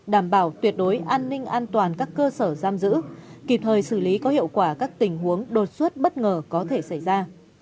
đảm bảo tuyệt đối an ninh an toàn các cơ sở giam giữ kịp thời xử lý có hiệu quả các tình huống đột xuất bất ngờ có thể xảy ra